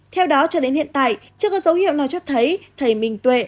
theo đó cho đến hiện tại chưa có dấu hiệu nào cho thấy thầy mình tuệ